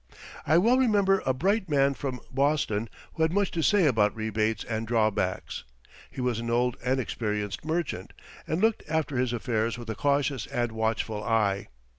I well remember a bright man from Boston who had much to say about rebates and drawbacks. He was an old and experienced merchant, and looked after his affairs with a cautious and watchful eye.